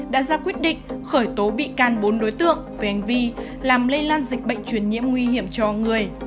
đã ra quyết định khởi tố bị can bốn đối tượng về hành vi làm lây lan dịch bệnh truyền nhiễm nguy hiểm cho người